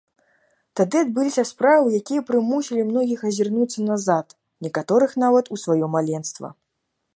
Тады адбыліся справы, якія прымусілі многіх азірнуцца назад, некаторых нават у сваё маленства.